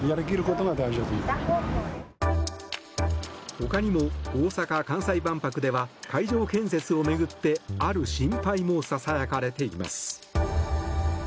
他にも大阪・関西万博では会場建設を巡ってある心配もささやかれています。